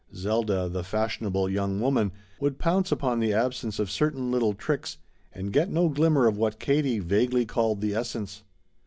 Zelda, the fashionable young woman, would pounce upon the absence of certain little tricks and get no glimmer of what Katie vaguely called the essence.